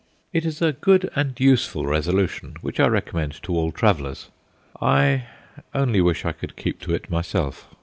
It is a good and useful resolution, which I recommend to all travellers. I only wish I could keep to it myself.